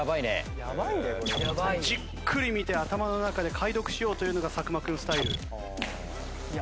「じっくり見て頭の中で解読しようというのが作間君スタイル」